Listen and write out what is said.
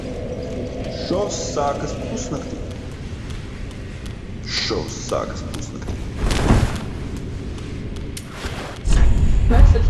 Šovs sākas pusnaktī.